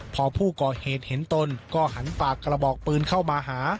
พอผู้ก่อเหตุเห็นตนก็หันฝากกระบอกปืนเข้ามาหา